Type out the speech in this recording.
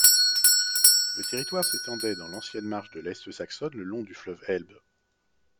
Le territoire s'étendait dans l'ancienne marche de l'Est saxonne le long du fleuve Elbe.